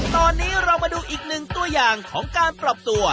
ตอนนี้เรามาดูอีกหนึ่งตัวอย่างของการปรับตัว